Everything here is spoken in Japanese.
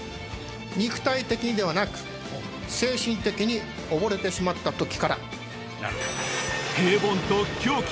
肉体的にではなく精神的に溺れてしまった時から。